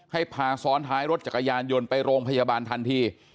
ให้พาซ้อนท้ายรถจักรยานยนต์ไปโรงพยาบาลทันที